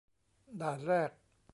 ด่านแรก